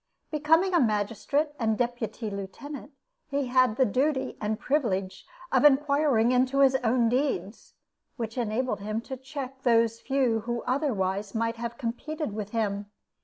Becoming a magistrate and deputy lieutenant, he had the duty and privilege of inquiring into his own deeds, which enabled him to check those few who otherwise might have competed with him.